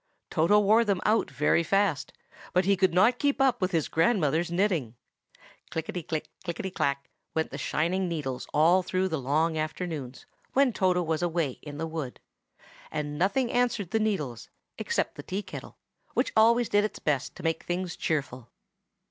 Toto wore them out very fast; but he could not keep up with his grandmother's knitting. Clickety click, clickety clack, went the shining needles all through the long afternoons, when Toto was away in the wood; and nothing answered the needles, except the tea kettle, which always did its best to make things cheerful.